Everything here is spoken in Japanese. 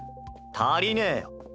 足りねぇよ。